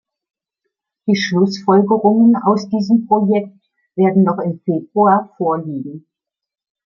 Die Schlussfolgerungen aus diesem Projekt werden noch im Februar vorliegen.